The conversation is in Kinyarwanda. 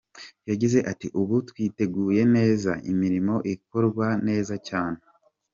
Yagize ati : "Ubu twiteguye neza, imirimo irakorwa neza cyane.